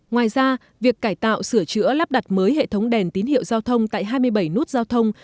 ngoài ra việc cải tạo sửa chữa lắp đặt mới hệ thống đèn tín hiệu giao thông tại hai mươi bảy nút giao thông